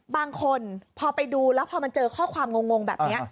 บางคนพอไปดูแล้วพอมันเจอข้อความงงแบบนี้